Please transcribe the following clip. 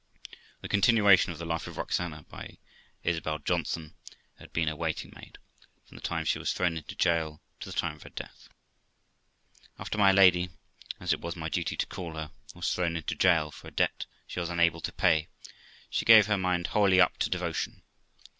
The continuation of the Life of Roxana, by Isabel Johnson, "who had been her waiting maid, from the time sht was thrown into jail to tht time of her death: After my lady, as it was my duty to call her, was thrown into jail for a debt she was unable to pay, she gave her mind wholly up to devotion.